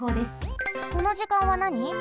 この時間はなに？